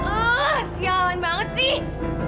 ah sia siaan banget sih